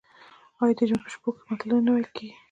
آیا د ژمي په شپو کې متلونه نه ویل کیږي؟